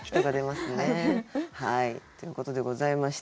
はいということでございました。